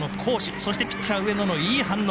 そしてピッチャー上野のいい反応。